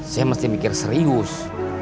saya mesti mikir serius